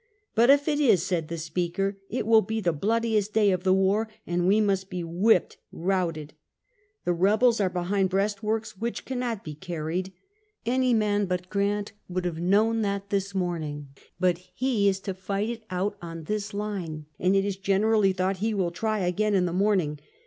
"But if it is," said the speaker, "it will be the bloodiest day of the war, and we must be whipped, routed. The Eebels are behind breastworks which cannot be carried. Any man but Grant would have known that this morning, but he is to fight it out on this line, and it is generally thought he will try it again in the morning.